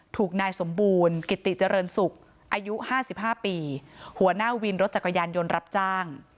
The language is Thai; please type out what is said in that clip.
ถูกนายสมบูรณ์กิติเจริญศุกร์อายุ๕๕ปีหัวหน้าวินรถจักรยานยนต์รับจ้าง